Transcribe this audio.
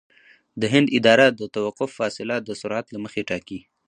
د هند اداره د توقف فاصله د سرعت له مخې ټاکي